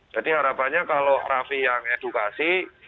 jadi harapannya kalau rafi yang edukasi